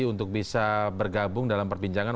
untuk bisa bergabung dalam perbincangan